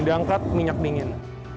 diangkat minyak dingin